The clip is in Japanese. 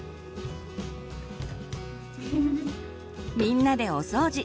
みんなでお掃除。